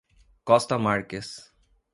Costa Marques